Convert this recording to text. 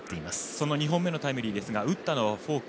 その２本目のタイムリーですが打ったのはフォーク。